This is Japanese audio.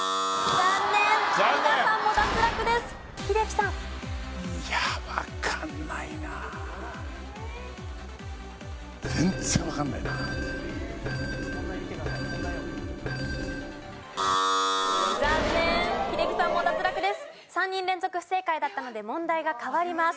３人連続不正解だったので問題が変わります。